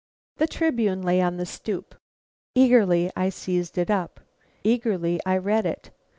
The Tribune lay on the stoop. Eagerly I seized it; eagerly I read it.